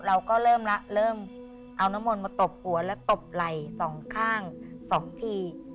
เราก็เริ่มละเริ่มเอาน้ำมลมาตบหัวแล้วตบไหล่๒ข้าง๒ที